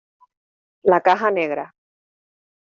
la caja negra.